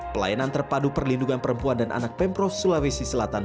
pelayanan terpadu perlindungan perempuan dan anak pemprov sulawesi selatan